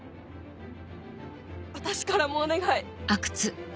私からもお願い。